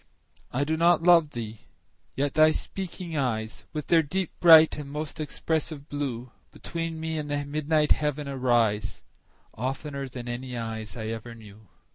I do not love thee!—yet thy speaking eyes, With their deep, bright, and most expressive blue, Between me and the midnight heaven arise, 15 Oftener than any eyes I ever knew.